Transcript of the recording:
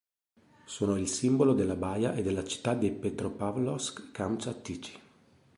Sono il simbolo della baia e della città di Petropavlovsk-Kamčatskij.